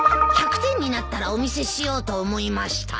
１００点になったらお見せしようと思いました。